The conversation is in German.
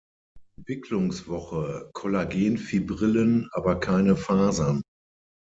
Entwicklungswoche Kollagenfibrillen, aber keine Fasern.